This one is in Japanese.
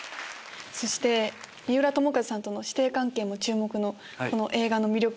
そして三浦友和さんとの師弟関係も注目のこの映画の魅力